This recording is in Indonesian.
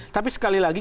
tapi sekali lagi